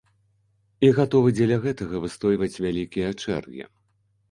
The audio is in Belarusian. І гатовы дзеля гэтага выстойваць вялікія чэргі.